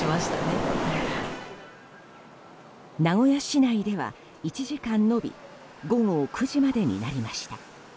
名古屋市内では１時間延び午後９時までになりました。